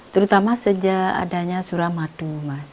terutama sejak adanya suramadu mas